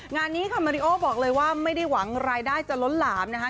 งานนี้ค่ะมาริโอบอกเลยว่าไม่ได้หวังรายได้จะล้นหลามนะคะ